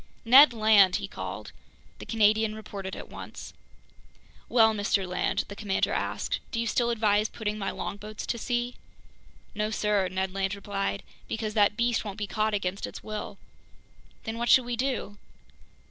"Ned Land!" he called. The Canadian reported at once. "Well, Mr. Land," the commander asked, "do you still advise putting my longboats to sea?" "No, sir," Ned Land replied, "because that beast won't be caught against its will." "Then what should we do?"